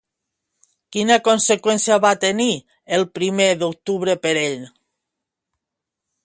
Quina conseqüència va tenir el primer d'octubre per ell?